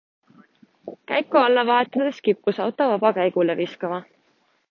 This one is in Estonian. Käiku alla vahetades kippus auto vabakäigule viskama.